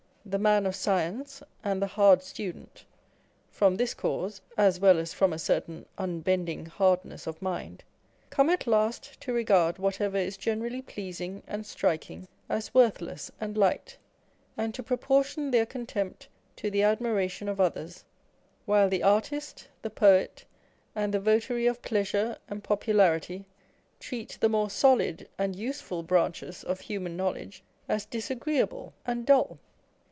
The man of science and the hard student (from this cause, as well as from a certain imbending hardness of mind) come at last to regard what ever is generally pleasing and striking as worthless and light, and to proportion their contempt to the admiration of others ; while the artist, the poet, and the votary of pleasure and popularity treat the more solid and useful branches of human knowledge as disagreeable and dull.